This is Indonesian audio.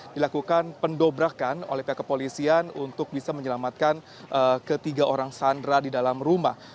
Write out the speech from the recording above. dilakukan pendobrakan oleh pihak kepolisian untuk bisa menyelamatkan ketiga orang sandra di dalam rumah